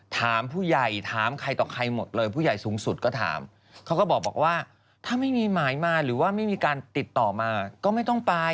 ถามผู้ใหญ่ถามใครต่อใครหมดเลยผู้ใหญ่สูงสุดก็ถามเขาก็บอกว่าถ้าไม่มีหมายมาหรือว่าไม่มีการติดต่อมาก็ไม่ต้องไป